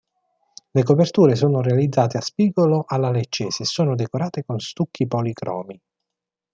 Le coperture sono realizzate a spigolo alla leccese e sono decorate con stucchi policromi.